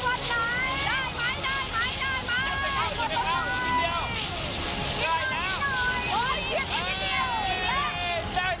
โอ้ยพี่จะพี่ดีนิดนิด